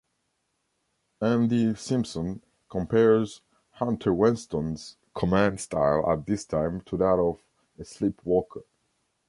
Andy Simpson compares Hunter-Weston's command style at this time to that of "a sleepwalker".